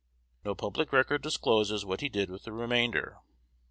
No public record discloses what he did with the remainder.